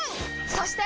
そして！